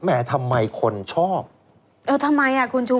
แหมทำไมคนชอบเออทำไมคุณจูบิ๊ก